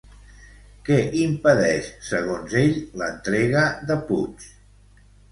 Què impedeix, segons ell, l'entrega de Puig?